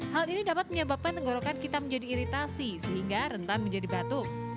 hal ini dapat menyebabkan tenggorokan kita menjadi iritasi sehingga rentan menjadi batuk